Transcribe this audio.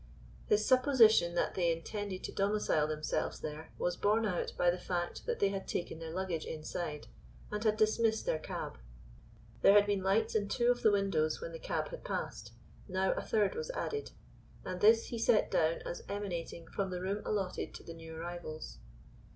His supposition that they intended to domicile themselves there was borne out by the fact that they had taken their luggage inside, and had dismissed their cab. There had been lights in two of the windows when the cab had passed, now a third was added, and this he set down as emanating from the room allotted to the new arrivals.